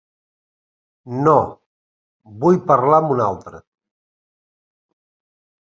No, vull parlar amb una altra.